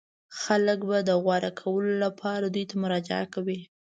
خلک به د غوره کولو لپاره دوی ته مراجعه کوي.